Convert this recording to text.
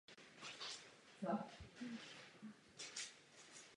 Jde nicméně o cennou architektonickou památku z období pozdní gotiky.